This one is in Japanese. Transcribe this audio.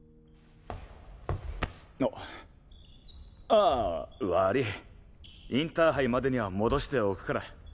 あぁ悪ぃインターハイまでには戻しておくから。